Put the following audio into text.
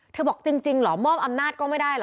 บอกจริงเหรอมอบอำนาจก็ไม่ได้เหรอ